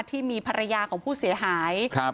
ที่มีภรรยาของผู้เสียหาย